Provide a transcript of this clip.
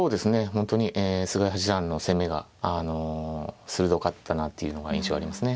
本当に菅井八段の攻めがあの鋭かったなというのが印象ありますね。